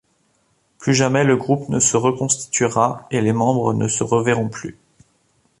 Plus jamais le groupe ne se reconstituera et les membres ne se reverront plus.